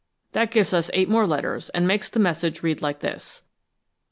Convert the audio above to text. That gives us eight more letters, and makes the message read like this."